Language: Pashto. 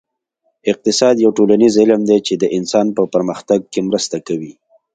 اقتصاد یو ټولنیز علم دی چې د انسان په پرمختګ کې مرسته کوي